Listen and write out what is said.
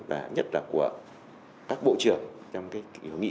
và nhất là của các bộ trưởng trong hiệu nghị